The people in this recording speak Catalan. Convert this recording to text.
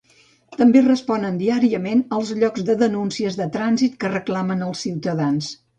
També responen diàriament als llocs de denúncies de trànsit que reclamen els ciutadans.